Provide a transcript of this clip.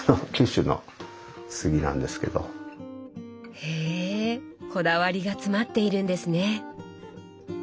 へえこだわりが詰まっているんですね。